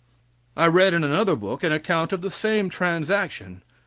I read in another book an account of the same transaction.